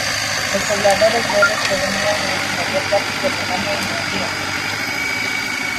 Los pobladores nuevos provenían en su mayor parte de Rumania y Hungría.